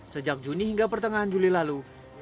sejak juni hingga pertengahan juli lalu